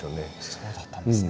そうだったんですね。